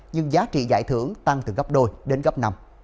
nhưng giá trị giải thưởng tăng từ gấp đôi đến gấp năm